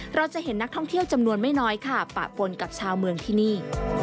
เราจะเห็นนักท่องเที่ยวจำนวนไม่น้อยค่ะปะปนกับชาวเมืองที่นี่